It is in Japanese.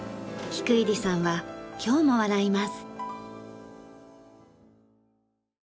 菊入さんは今日も笑います。